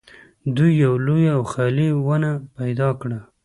دوی یوه لویه او خالي ونه پیدا کړه